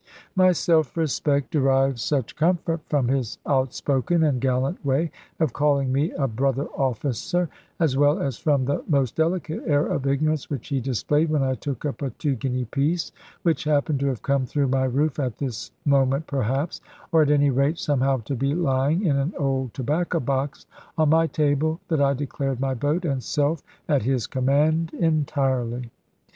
My self respect derived such comfort from his outspoken and gallant way of calling me a brother officer (as well as from the most delicate air of ignorance which he displayed when I took up a two guinea piece which happened to have come through my roof at this moment perhaps, or at any rate somehow to be lying in an old tobacco box on my table), that I declared my boat and self at his command entirely.